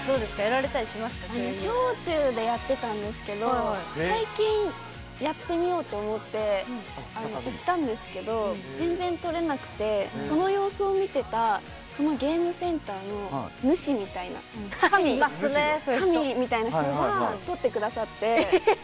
小中でやってたんですけど最近、やってみようと思って行ったんですけど全然取れなくてその様子を見てたそのゲームセンターの主みたいな、神みたいな人は取ってくださって。